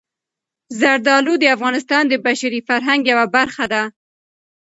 زردالو د افغانستان د بشري فرهنګ یوه برخه ده.